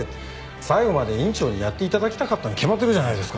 最後まで院長にやって頂きたかったに決まってるじゃないですか。